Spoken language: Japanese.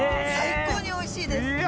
最高に美味しいです。